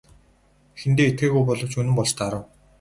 Эхэндээ итгээгүй боловч үнэн болж таарав.